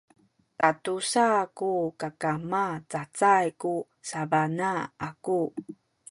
tatusa ku kakama cacay ku sabana aku